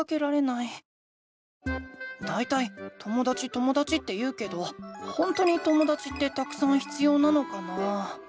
だいたいともだちともだちって言うけどほんとにともだちってたくさん必要なのかな？